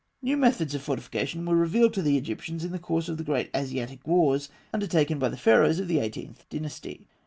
] New methods of fortification were revealed to the Egyptians in the course of the great Asiatic wars undertaken by the Pharaohs of the Eighteenth Dynasty.